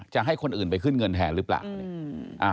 จะให้คนอื่นไปขนเงินแท้หรือเปล่า